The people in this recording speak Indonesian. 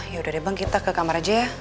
yaudah deh bang kita ke kamar aja